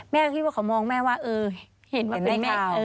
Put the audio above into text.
แม่ก็คิดว่าเขามองแม่ว่าเออเห็นเหมือนแม่เขา